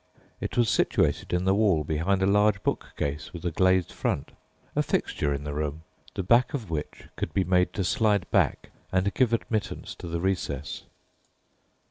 It was situated in the wall behind a large bookcase with a glazed front, a fixture in the room, the back of which could be made to slide back and give admittance to the recess.